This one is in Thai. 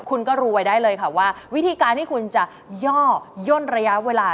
คุณก็รู้ไว้ได้เลยค่ะว่าวิธีการที่คุณจะย่อย่นระยะเวลา